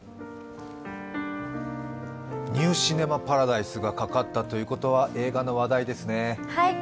「ニュー・シネマ・パラダイス」がかかったということは映画の話題ですね。